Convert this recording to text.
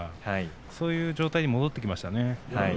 そういう状態に戻ってきましたね。